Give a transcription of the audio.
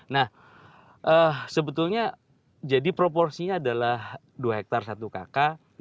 nah sebetulnya jadi proporsinya adalah dua hektare satu kakak